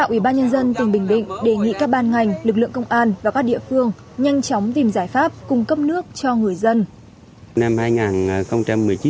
ủy ban nhân dân tỉnh bình định đề nghị các ban ngành lực lượng công an và các địa phương nhanh chóng tìm giải pháp cung cấp nước cho người dân